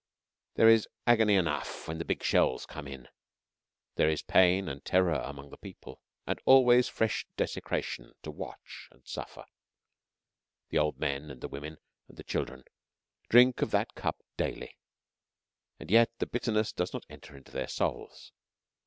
There is agony enough when the big shells come in; there is pain and terror among the people; and always fresh desecration to watch and suffer. The old men and the women and the children drink of that cup daily, and yet the bitterness does not enter into their souls.